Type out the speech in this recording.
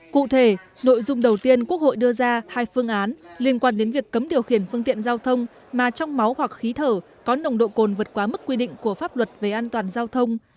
cụ thể nội dung đầu tiên quốc hội đưa ra hai phương án liên quan đến việc cấm điều khiển phương tiện giao thông mà trong máu hoặc khí thở có nồng độ cồn vượt quá mức quy định của pháp luật về an toàn giao thông